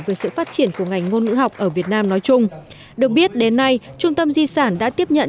về sự phát triển của ngành ngôn ngữ học ở việt nam nói chung được biết đến nay trung tâm di sản đã tiếp nhận